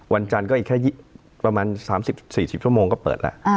วันจันทร์ก็อีกแค่ประมาณ๓๐๔๐ชั่วโมงก็เปิดแล้ว